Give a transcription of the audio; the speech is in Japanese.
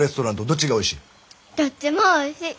どっちもおいしい。